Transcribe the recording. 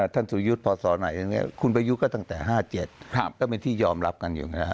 ท่านสวยุทฯพศไหนคุณบยุคก็ตั้งแต่๕๗จะเป็นที่ยอมรับกันอยู่นะฮะ